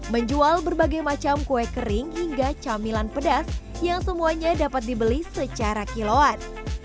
menjual berbagai macam kue kering hingga camilan pedas yang semuanya dapat dibeli secara kiloan